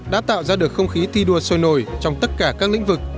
đã tạo ra được không khí thi đua sôi nổi trong tất cả các lĩnh vực